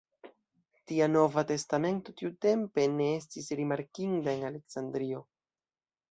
Tia Nova Testamento tiutempe ne estis rimarkinda en Aleksandrio.